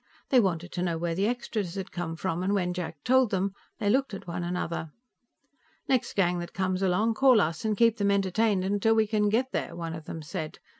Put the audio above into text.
They wanted to know where the extras had come from, and when Jack told them, they looked at one another. "Next gang that comes along, call us and keep them entertained till we can get here," one of them said.